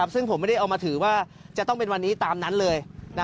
ซึ่งผมไม่ได้เอามาถือว่าจะต้องเป็นวันนี้ตามนั้นเลย